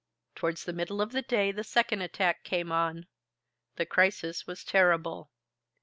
Towards the middle of the day the second attack came on. The crisis was terrible.